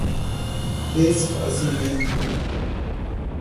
desfazimento